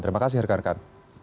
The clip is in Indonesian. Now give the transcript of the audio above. terima kasih rekan rekan